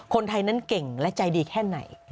คนไทยนั้นเก่งและใจดีแค่ไหน